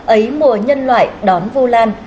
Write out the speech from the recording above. ấy mùa nhân loại đón vu lan